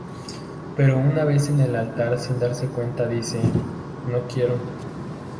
Pero una vez en el altar sin darse cuenta dice "No, quiero"...